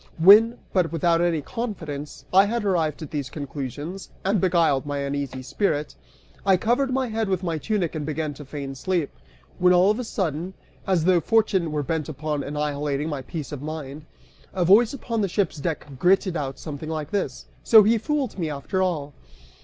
When, but without any confidence, I had arrived at these conclusions, and beguiled my uneasy spirit, I covered my head with my tunic and began to feign sleep, when all of a sudden, as though Fortune were bent upon annihilating my peace of mind, a voice upon the ship's deck gritted out something like this "So he fooled me after all."